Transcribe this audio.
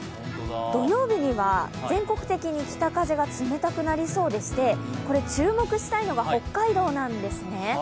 土曜日には全国的に北風が冷たくなりそうでして、注目したいのが北海道なんですね。